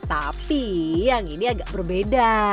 tapi yang ini agak berbeda